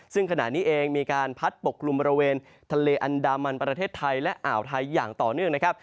ซึ่งขณะนี้เองมีการพัดปกกลุ่มบริเวณทะเลอันดามันประเทศไทยและอ่าวไทยอย่างต่อเนื่องนะครับ